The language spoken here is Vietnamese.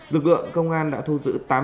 lực lượng công an đã thu giữ